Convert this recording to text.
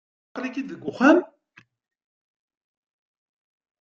Aql-ik-id deg uxxam?